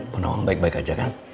penolong baik baik aja kan